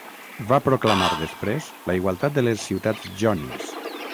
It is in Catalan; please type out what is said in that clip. Va proclamar després la igualtat de les ciutats jònies.